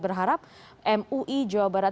berharap mui jawa barat